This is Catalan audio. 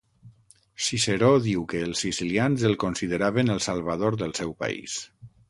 Ciceró diu que els sicilians el consideraven el salvador del seu país.